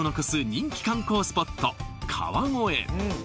人気観光スポット川越